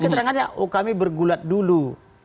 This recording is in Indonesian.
lagi keterangannya kami bergulat dulu